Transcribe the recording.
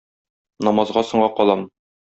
Намазга соңга калам